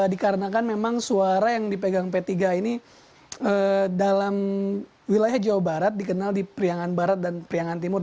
dikarenakan memang suara yang dipegang p tiga ini dalam wilayah jawa barat dikenal di priangan barat dan priangan timur